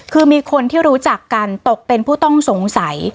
คือมีคนที่รู้จักกันตกเป็นผู้ต้องสงสัย